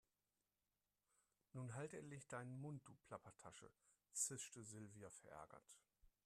Nun halt endlich deinen Mund, du Plappertasche, zischte Silvia verärgert.